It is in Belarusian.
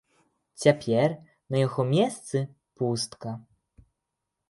Цяпер на яго месцы пустка.